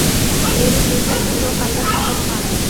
এইরূপ দুই-চারজন লোক পাইবার সম্ভাবনা আছে।